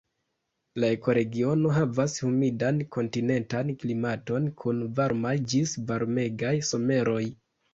La ekoregiono havas humidan kontinentan klimaton kun varmaj ĝis varmegaj someroj.